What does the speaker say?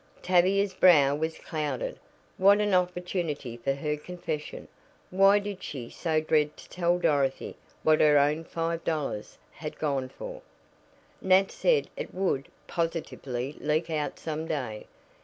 Tavia's brow was clouded. What an opportunity for her confession! Why did she so dread to tell Dorothy what her own five dollars had gone for? Nat said it would positively leak out some day.